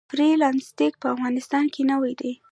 فری لانسینګ په افغانستان کې نوی دی